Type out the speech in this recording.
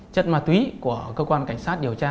chất ma túy của cơ quan cảnh sát điều tra